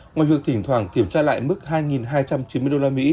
ngoài việc thỉnh thoảng kiểm tra lại mức hai hai trăm chín mươi usd